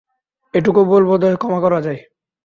এইটুকু ভুল বোধহয় ক্ষমা করা যায়।